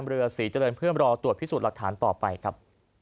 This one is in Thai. เรือศรีเจริญเพื่อรอตรวจพิสูจน์หลักฐานต่อไปครับ